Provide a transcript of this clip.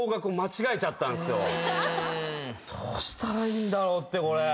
どうしたらいいんだろうってこれ。